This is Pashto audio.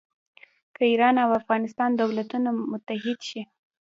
که ایران او افغانستان دولتونه متحد شي.